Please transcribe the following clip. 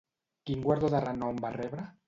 Quin guardó de renom va rebre?